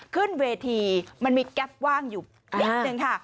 ขึ้นเวทีมันมีแก๊ปว่างอยู่นิดนึงค่ะ